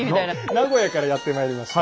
名古屋からやってまいりました